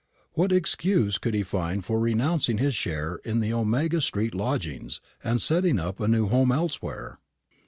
What excuse could he find for renouncing his share in the Omega street lodgings, and setting up a new home elsewhere?